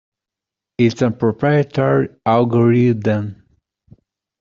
It's a proprietary algorithm.